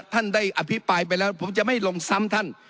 ท่านได้อภิปรายไปแล้วผมจะไม่ลงซ้ำท่าน